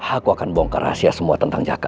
aku akan bongkar rahasia semua tentang jaka